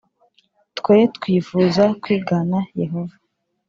Twe twifuza kwigana Yehova